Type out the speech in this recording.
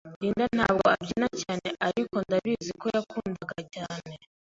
Linda ntabwo abyina cyane, ariko ndabizi ko yakundaga cyane.